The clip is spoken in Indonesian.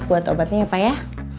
buat obatnya ya pak ya